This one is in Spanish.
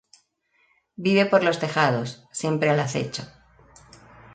Vive por los tejados, siempre al acecho.